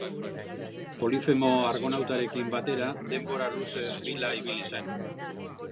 Polifemo argonautarekin batera, denbora luzez bila ibili zen.